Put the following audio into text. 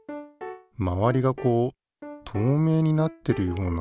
まわりがこう透明になってるような。